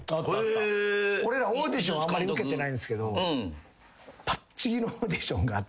俺らオーディションあまり受けてないんすけど『パッチギ！』のオーディションがあった。